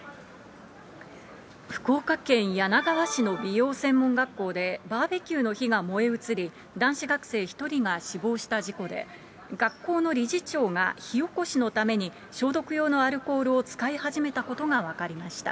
福岡県柳川市の美容専門学校で、バーベキューの火が燃え移り、男子学生１人が死亡した事故で、学校の理事長が火おこしのために消毒用のアルコールを使い始めたことが分かりました。